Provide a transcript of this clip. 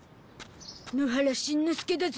野原しんのすけだゾ。